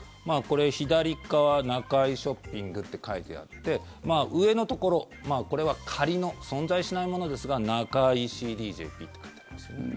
左側、なかいショッピングって書いてあって上のところ、これは仮の存在しないものですがｎａｋａｉ．ｃｄ．ｊｐって書いてありますよね。